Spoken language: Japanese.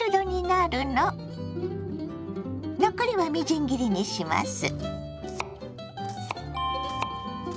残りはみじん切りにします。